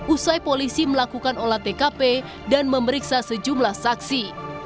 usai polisi melakukan olah tkp dan memeriksa sejumlah saksi